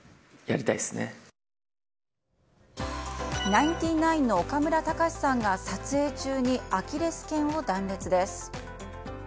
ナインティナインの岡村隆史さんが撮影中にアキレス腱を断裂です。